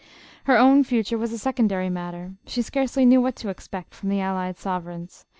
Her own future was a secondary matter. She scarcely knew what to expect from the allied sovereigns.